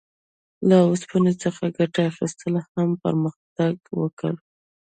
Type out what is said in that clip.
له اوسپنې څخه ګټې اخیستنې هم پرمختګ وکړ.